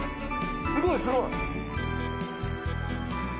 すごいすごい。